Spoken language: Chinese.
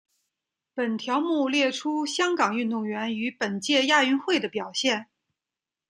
本条目列出香港运动员于本届亚运会的表现。